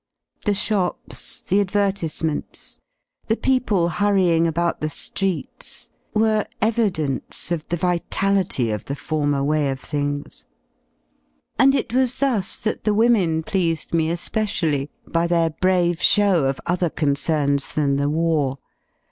The shops, the advertisements, the people hurrying about the Greets were evidence of the vitality of the former way of things. And it was thus that the women pleased me especially, by their brave show of other concerns than the war.